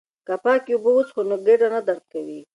که پاکې اوبه وڅښو نو ګېډه نه درد کوي.